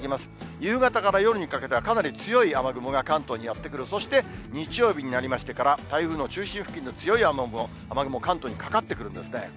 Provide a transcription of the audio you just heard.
夕方から夜にかけては、かなり強い雨雲が関東にやって来る、そして日曜日になりましてから、台風の中心付近の強い雨雲、関東にかかってくるんですね。